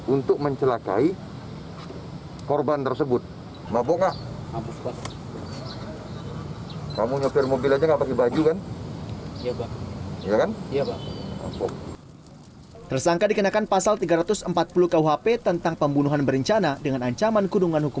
untuk mencelakai korban